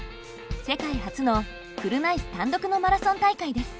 世界初の車いす単独のマラソン大会です。